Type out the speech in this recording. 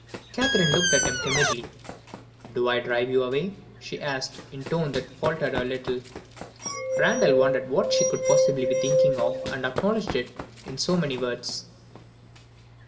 Catherine looked at him timidly. "Do I drive you away?" she asked, in tones that faltered a little. Randal wondered what she could possibly be thinking of and acknowledged it in so many words.